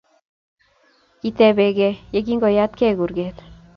kitepekei yekingoyatei kurget